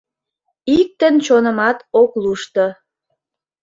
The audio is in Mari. Иктын чонымат ок лушто.